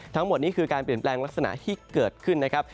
ทั้งหมดนี้คือการเปลี่ยนแปลงลักษณะที่เกิดขึ้นนะครับ